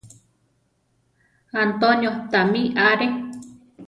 Antonio tamí are.